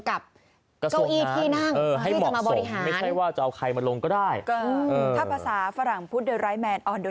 ครับ